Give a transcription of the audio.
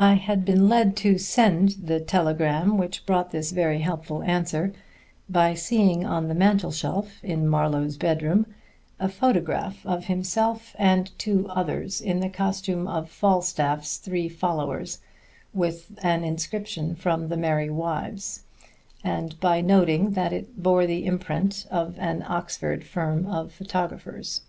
I had been led to send the telegram which brought this very helpful answer by seeing on the mantel shelf in Marlowe's bedroom a photograph of himself and two others in the costume of Falstaff's three followers, with an inscription from The Merry Wives, and by noting that it bore the imprint of an Oxford firm of photographers.